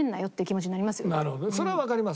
それはわかります。